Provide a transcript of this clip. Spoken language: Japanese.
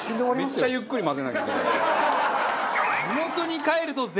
めっちゃゆっくり混ぜなきゃ。